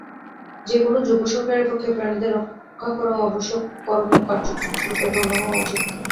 যে-কোন যোগ্য সরকারের পক্ষে প্রাণীদের রক্ষা করাও অবশ্য করণীয় কার্যরূপে গণ্য হওয়া উচিত।